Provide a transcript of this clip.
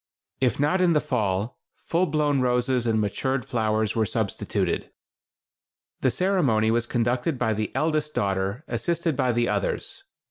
If not in the fall, full blown roses and matured flowers were substituted. The ceremony was conducted by the eldest daughter, assisted by the others.